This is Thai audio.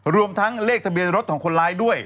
รวมทั้งเลขทะเบียนรถของคนร้ายด้วย